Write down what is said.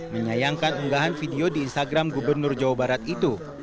menyayangkan unggahan video di instagram gubernur jawa barat itu